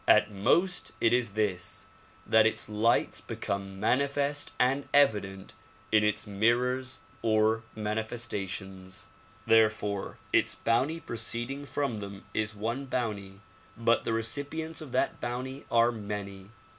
At most it is this, that its lights become manifest and evident in its mirrors or manifestations. Therefore its bounty proceeding from them is one bounty but the recipients of that bounty are many.